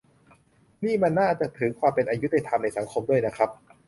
นี่มันน่าจะถือเป็นความอยุติธรรมในสังคมด้วยนะครับ